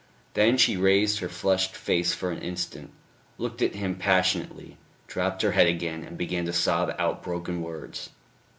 Then she raised her flushed face for an instant, looked at him passionately, dropped her head again and began to sob out broken words.